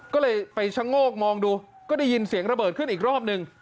ก็เลยไปชะโงกมองดูก็ได้ยินเสียงระเบิดขึ้นอีกรอบนึง